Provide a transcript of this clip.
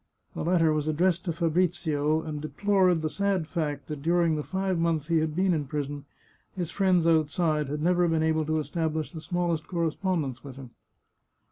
The letter was addressed to Fabrizio, and deplored the sad fact that during the five months he had been in prison his friends outside had never been able to establish the smallest correspondence with him.